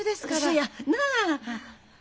そやなあ？